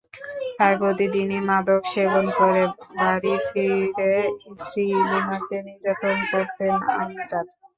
প্রায় প্রতিদিনই মাদক সেবন করে বাড়ি ফিরে স্ত্রী লিমাকে নির্যাতন করতেন আমজাদ।